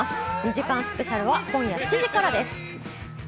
２時間スペシャルは今夜７時からです。